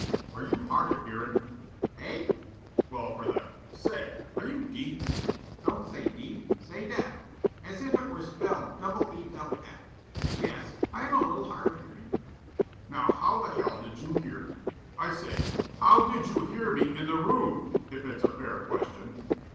"Are you hard o' hearin'?" "Hey?" "Well for the say, are you deef?" "Don't say deef. Say deaf, as if it were spelled d e double f. Yes, I am a little hard of hearing." "Now, how the hell did you hear I say, HOW DID YOU HEAR ME IN THE ROOM, if it's a fair question?"